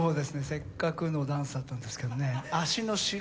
せっかくのダンスだったんですけどね